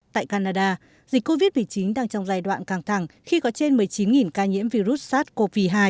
tại canada dịch covid một mươi chín đang trong giai đoạn càng thẳng khi có trên một mươi chín ca nhiễm virus sars cov hai